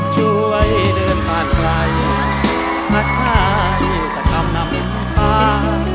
ช่วยเดินผ่านไกลหักไหลสักคำนำคา